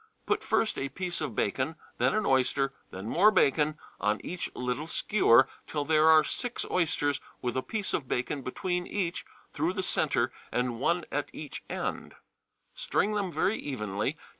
Put first a piece of bacon, then an oyster, then more bacon, on each little skewer, till there are six oysters with a piece of bacon between each through the centre and one at each end; string them very evenly.